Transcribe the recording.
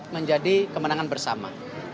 menjadi kemenangan bersama